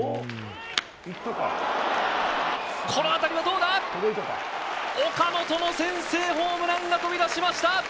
この当たりはどうだ岡本の先制ホームランが飛び出しました！